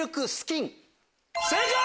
正解！